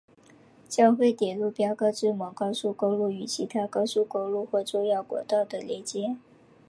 交汇点路标告知某高速公路与其他高速公路或重要国道的连接。